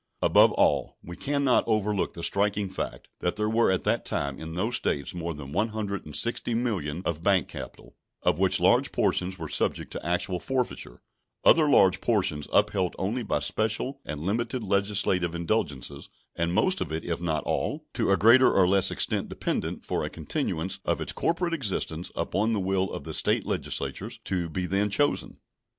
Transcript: Above all, we can not overlook the striking fact that there were at the time in those States more than one hundred and sixty millions of bank capital, of which large portions were subject to actual forfeiture, other large portions upheld only by special and limited legislative indulgences, and most of it, if not all, to a greater or less extent dependent for a continuance of its corporate existence upon the will of the State legislatures to be then chosen.